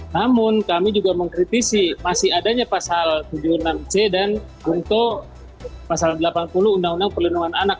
namun kami juga mengkritisi masih adanya pasal tujuh puluh enam c dan untuk pasal delapan puluh undang undang perlindungan anak